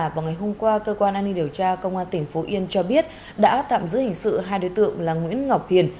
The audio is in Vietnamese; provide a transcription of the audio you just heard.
vào ngày hôm qua cơ quan an ninh điều tra công an tỉnh phú yên cho biết đã tạm giữ hình sự hai đối tượng là nguyễn ngọc hiền